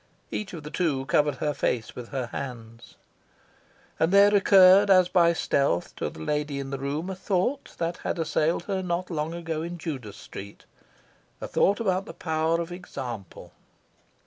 Each of the two covered her face with her hands. And there recurred, as by stealth, to the lady in the room a thought that had assailed her not long ago in Judas Street... a thought about the power of example...